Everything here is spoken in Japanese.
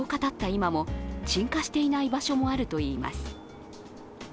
今も鎮火していない場所もあるといいます。